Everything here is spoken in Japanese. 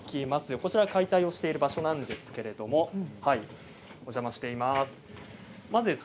こちらが解体をしている場所なんですけれどもお邪魔しています。